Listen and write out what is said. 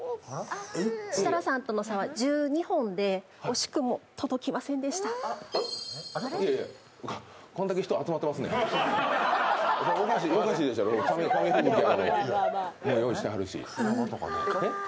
設楽さんとの差は１２本で惜しくも届きませんでした。